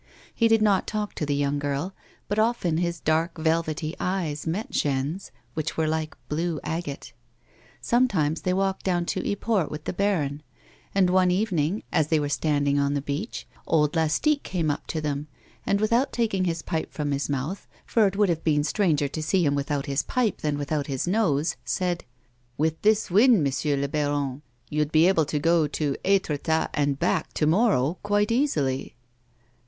He did not talk to the young girl, but often his dark, velvety eyes met Jeanne's, which were like blue agate. Sometimes they walked down to Yport with the baron, and one evening, as they were standing on the beach, old Lastique came up to them, and, without taking his pipe from his mouth, for it would have been stranger to see him without his pipe than without his nose, said :" With this wind, M'sieu' I'baron, you'd be able to go to ^Itretat and back to morrow quite easily."